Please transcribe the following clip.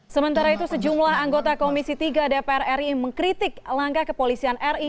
sementara itu sejumlah anggota komisi tiga dpr ri mengkritik langkah kepolisian ri